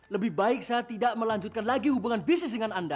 lebih baik saya tidak melanjutkan lagi hubungan bisnis dengan anda